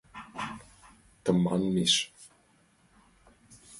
Тыманмеш.